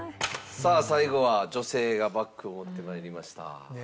さあ最後は女性がバッグを持ってまいりました。